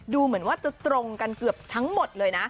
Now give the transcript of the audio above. ดูเหมือนว่าจะตรงกันเกือบทั้งหมดเลยนะ